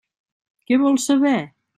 Què vol saber?